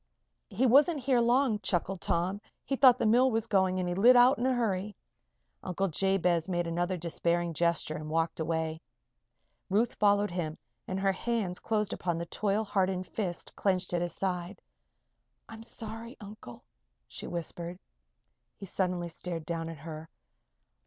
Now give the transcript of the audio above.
"He wasn't here long," chuckled Tom. "He thought the mill was going and he lit out in a hurry." Uncle Jabez made another despairing gesture and walked away. Ruth followed him and her hands closed upon the toil hardened fist clenched at his side. "I'm sorry, Uncle," she whispered. He suddenly stared down at her.